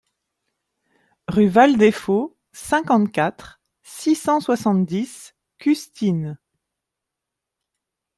Rue Val des Faulx, cinquante-quatre, six cent soixante-dix Custines